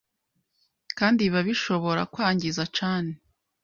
kandi biba bishobora kwangiza Chan